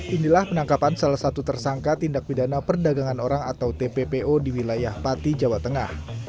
inilah penangkapan salah satu tersangka tindak pidana perdagangan orang atau tppo di wilayah pati jawa tengah